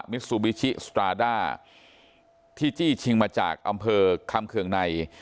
มิซูบิชิสตราด้าที่จี้ชิงมาจากอำเภอคำเคืองใน